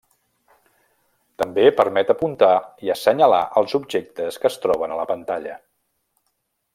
També permet apuntar i assenyalar els objectes que es troben a la pantalla.